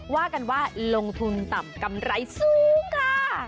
ว่ากันว่าลงทุนต่ำกำไรสูงค่ะ